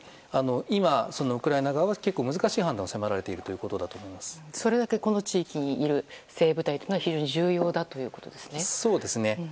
今、ウクライナ側は結構難しい判断を迫られているそれだけこの地域にいる精鋭部隊というのは非常に重要だということですね。